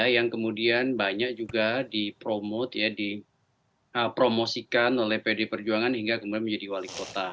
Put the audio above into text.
yang kemudian banyak juga dipromosikan oleh pdi perjuangan hingga kemudian menjadi wali kota